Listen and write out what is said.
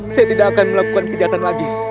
saya tidak akan melakukan kejahatan lagi